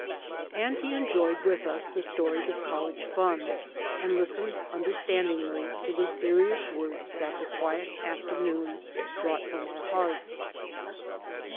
And be enjoyed with us the stories of college fun, and listened understandingly to the serious words that the quiet afternoon brought from our hearts.